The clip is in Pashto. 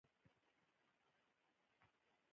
په فلاني کال کې یې هند ته سفر وکړ.